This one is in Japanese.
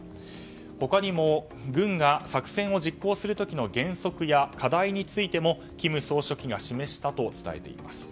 他にも軍が作戦を実行する時の原則や課題についても金総書記が示したと伝えています。